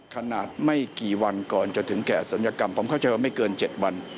ขนาดไม่กี่วันก่อนจะถึงแก่ศัลยกรรมผมเข้าใจว่าไม่เกิน๗วัน